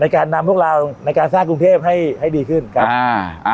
การนำพวกเราในการสร้างกรุงเทพให้ให้ดีขึ้นครับอ่า